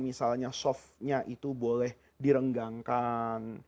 misalnya softnya itu boleh direnggangkan